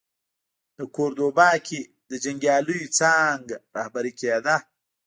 د کوردوبا کې د جنګیاليو څانګه رهبري کېده.